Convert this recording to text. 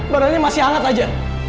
badannya masih hangat raja